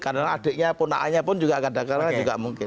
karena adiknya pun anaknya pun juga kadang kadang juga mungkin